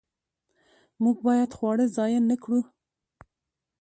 موږ باید خواړه ضایع نه کړو.